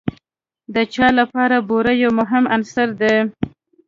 د چای لپاره بوره یو مهم عنصر دی.